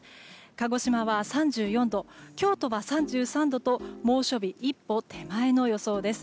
鹿児島は３４度、京都は３３度と猛暑日一歩手前の予想です。